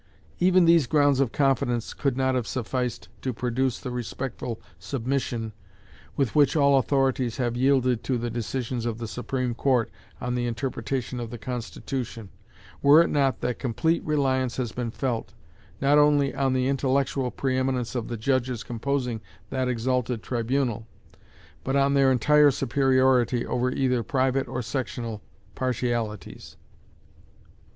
Even these grounds of confidence would not have sufficed to produce the respectful submission with which all authorities have yielded to the decisions of the Supreme Court on the interpretation of the Constitution, were it not that complete reliance has been felt, not only on the intellectual pre eminence of the judges composing that exalted tribunal, but on their entire superiority over either private or sectional partialities.